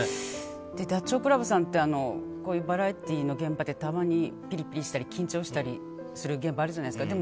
ダチョウ倶楽部さんってこのバラエティーの現場でたまにピリピリしたり緊張したりする現場あるじゃないですか。